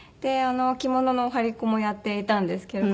着物のお針子もやっていたんですけど。